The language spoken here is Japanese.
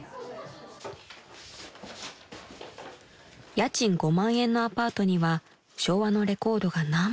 ［家賃５万円のアパートには昭和のレコードが何枚も］